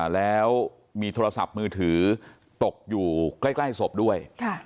แล้วมีโทรศัพท์มือถือตกอยู่ใกล้ศพด้วย